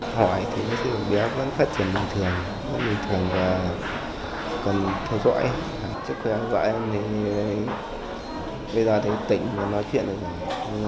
hỏi thì mấy chú bé vẫn phát triển bình thường